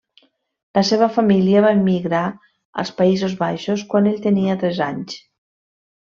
La seva família va emigrar als Països Baixos quan ell tenia tres anys.